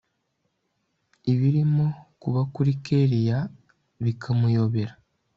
ibirimo kuba kuri kellia bikamuyobera